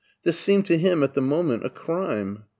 This seemed to him at the moment a crime.